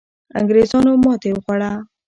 انګریزانو ماتې وخوړه.